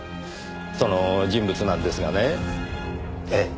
その人物なんですがねええ